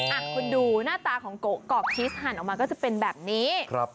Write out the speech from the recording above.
อ้าวดูหน้าตาของโกกรอกชีสหันออกมาก็จะเป็นแบบนี้